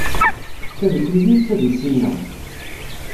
D tadukli ay d tadusi-nneɣ!